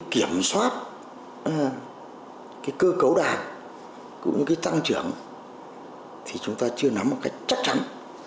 kiểm soát cơ cấu đàn tăng trưởng thì chúng ta chưa nắm một cái chắc chắn